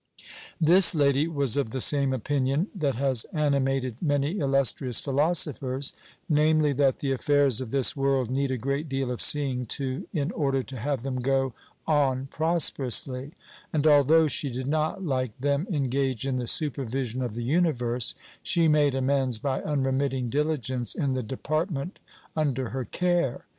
This lady was of the same opinion that has animated many illustrious philosophers, namely, that the affairs of this world need a great deal of seeing to in order to have them go on prosperously; and although she did not, like them, engage in the supervision of the universe, she made amends by unremitting diligence in the department under her care.